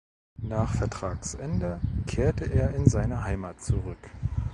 Nach Vertragsende kehrte er in seine Heimat zurück.